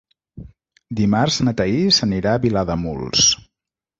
Dimarts na Thaís anirà a Vilademuls.